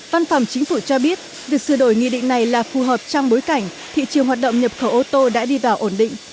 văn phòng chính phủ cho biết việc sửa đổi nghị định này là phù hợp trong bối cảnh thị trường hoạt động nhập khẩu ô tô đã đi vào ổn định